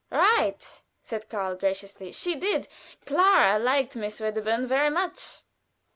"Right!" said Karl, graciously. "She did. Clara liked Miss Wedderburn very much."